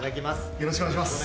よろしくお願いします。